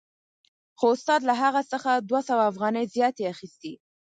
خو استاد له هغه څخه دوه سوه افغانۍ زیاتې اخیستې